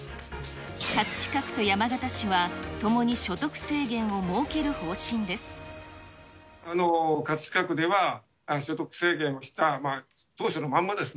葛飾区と山形市はともに所得制限を設ける方針です。